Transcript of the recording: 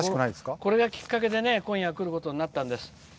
これがきっかけで今夜、来ることになったんです。